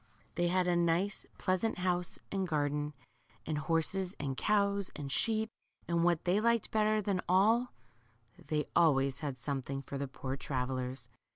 They had a nice, pleasant house and garden, and horses, and cows, and sheep, and what they liked better than all, they always had something for the poor travellers.